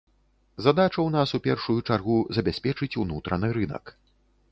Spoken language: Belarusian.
Задача ў нас у першую чаргу забяспечыць унутраны рынак.